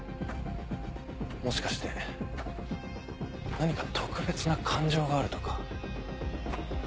もしかして何か特別な感情があるとか？